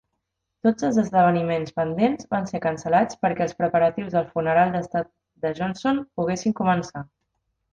Tots els esdeveniments pendents van ser cancel·lats perquè els preparatius del funeral d'estat de Johnson poguessin començar.